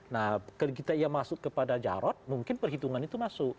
nah kalau kita masuk kepada jarod mungkin perhitungan itu masuk